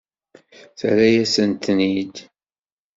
Terra-yasen-ten-id.